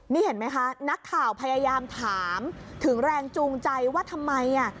นี่เห็นไหมคะนักข่าวพยายามถามถึงแรงจูงใจว่าทำไมอ่ะ